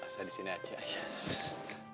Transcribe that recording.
kalau saya sudah pesenin saya udah pesenin